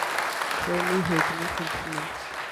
- Չէ, մի՛ հեգնիր խնդրեմ: